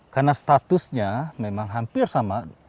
karena statusnya memang hampir sama